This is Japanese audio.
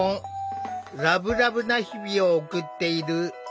ラブラブな日々を送っている。